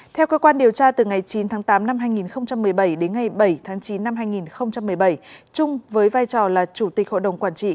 theo cơ quan điều tra từ ngày chín tháng tám năm hai nghìn một mươi bảy đến ngày bảy tháng chín năm hai nghìn một mươi bảy trung với vai trò là chủ tịch hội đồng quản trị